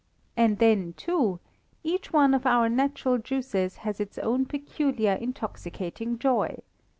And then, too, each one of our natural juices has its own peculiar intoxicating joy.